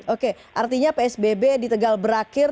oke artinya psbb di tegal berakhir